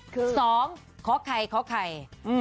๒ข้อกใคร